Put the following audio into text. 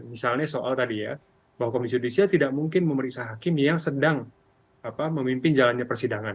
misalnya soal tadi ya bahwa komisi judisial tidak mungkin memeriksa hakim yang sedang memimpin jalannya persidangan